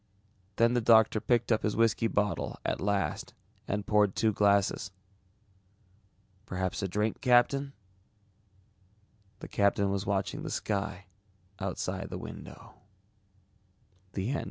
Then the doctor picked up his whiskey bottle at last and poured two glasses. "Perhaps a drink, Captain?" The captain was watching the sky o